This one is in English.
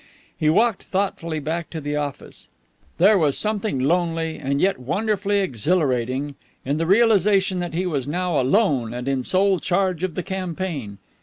He walked thoughtfully back to the office. There was something lonely, and yet wonderfully exhilarating, in the realization that he was now alone and in sole charge of the campaign.